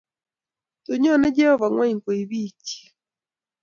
Tun nyonei Jehovah ngony koib biik chiik